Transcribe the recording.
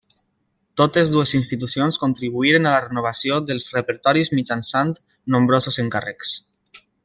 Totes dues institucions contribuirien a la renovació dels repertoris mitjançant nombrosos encàrrecs.